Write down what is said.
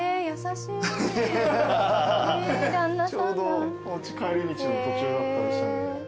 ちょうど帰り道の途中だったりしたんで。